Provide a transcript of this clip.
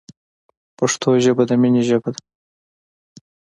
پښتو ژبه د مینې ژبه ده.